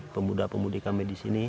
pemuda pemudi kami disini